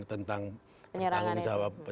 tentang angin sawah